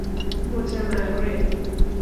متمرد